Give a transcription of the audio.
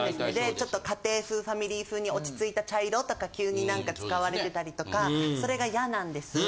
ちょっと家庭風ファミリー風に落ち着いた茶色とか急に何か使われてたりとかそれが嫌なんです。